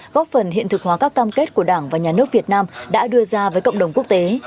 góp phần hiện thực hóa các cam kết của đảng và nhà nước việt nam đã đưa ra với cộng đồng quốc tế